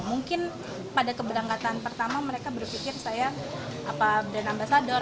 mungkin pada keberangkatan pertama mereka berpikir saya brand ambasador